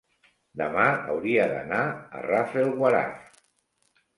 Demà hauria d'anar a Rafelguaraf.